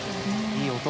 いい音。